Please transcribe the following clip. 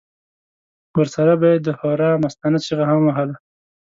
ورسره به یې د هورا مستانه چیغه هم وهله.